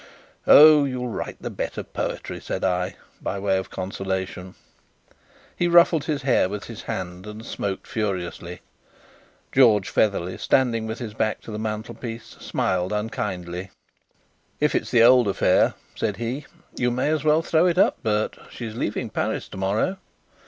"Oh, you'll write the better poetry," said I, by way of consolation. He ruffled his hair with his hand and smoked furiously. George Featherly, standing with his back to the mantelpiece, smiled unkindly. "If it's the old affair," said he, "you may as well throw it up, Bert. She's leaving Paris tomorrow."